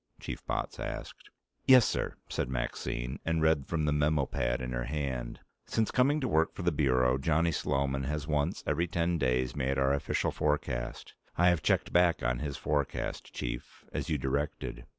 Chief Botts asked. "Yes, sir," said Maxine, and read from the memo pad in her hand. "Since coming to work for the Bureau, Johnny Sloman has once every ten days made our official forecast. I have checked back on his forecast, Chief, as you directed.